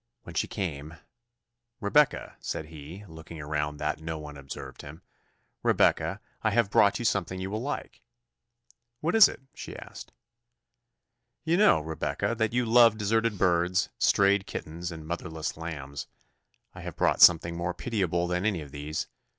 When she came, "Rebecca," said he (looking around that no one observed him), "Rebecca, I have brought you something you will like." "What is it?" she asked. "You know, Rebecca, that you love deserted birds, strayed kittens, and motherless lambs. I have brought something more pitiable than any of these.